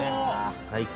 最高！